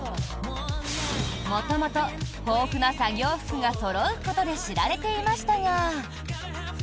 元々、豊富な作業服がそろうことで知られていましたが。